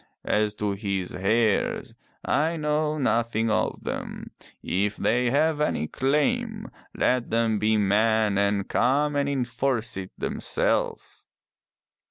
As to his heirs, I know nothing of them. If they have any claim, let them be men and come and enforce it them selves.